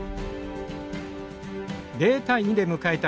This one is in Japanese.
０対２で迎えた